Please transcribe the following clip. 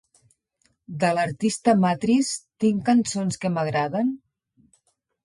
De l'artista Matriss tinc cançons que m'agraden?